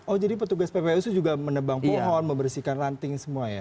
oh jadi petugas ppsu juga menebang pohon membersihkan ranting semua ya